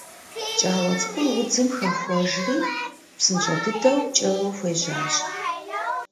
Пкӏауэ цӏыкӏур удзым хэхуэжри псынщӏэ дыдэу пкӏэуэ хуежьащ.